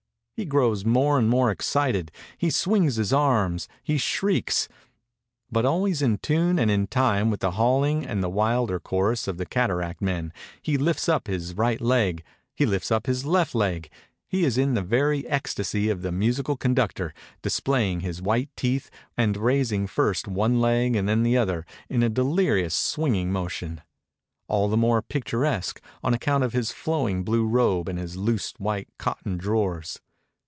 He grows more and more excited, he swings his arms, he shrieks, but always in tune and in time with the hauHng and the wilder chorus of the cata ract men, he hf ts up his right leg, he lifts up his left leg, he is in the very ecstasy of the musical conductor, dis playing his white teeth, and raising first one leg and then the other in a delirious swinging motion, all the more picturesque on account of his flowing blue robe and his loose white cotton drawers.